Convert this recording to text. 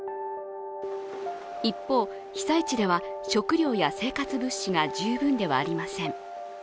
一方、被災地では食料や生活物資が十分ではありません。